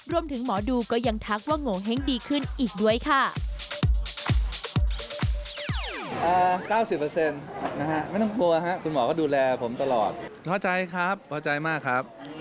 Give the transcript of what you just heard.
รวมถึงหมอดูก็ยังทักว่าโงเห้งดีขึ้นอีกด้วยค่ะ